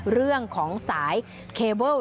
เรื่องของสายเคเบิล